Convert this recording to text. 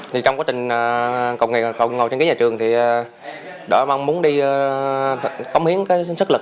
thì trong quá trình ngồi trang trí nhà trường thì đội mong muốn đi cống hiến cái sức lực